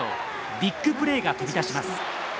ビッグプレーが飛び出します。